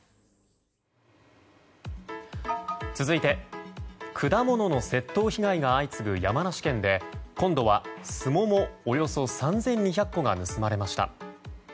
続いて、果物の窃盗被害が相次ぐ山梨県で今度はスモモおよそ３２００個が盗まれました。